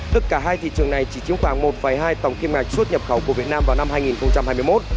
tất cả hai thị trường này chỉ chiếm khoảng một hai tổng kim ngạch xuất nhập khẩu của việt nam vào năm hai nghìn hai mươi một